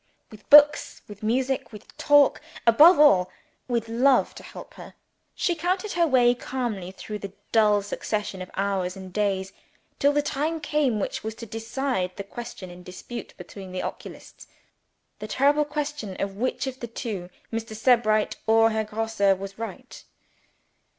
With books, with music, with talk above all, with Love to help her she counted her way calmly through the dull succession of hours and days till the time came which was to decide the question in dispute between the oculists the terrible question of which of the two, Mr. Sebright or Herr Grosse, was right.